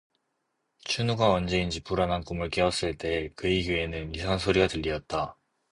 춘우가 언제인지 불안한 꿈을 깨었을 때에 그의 귀에는 이상한 소리가 들리었다.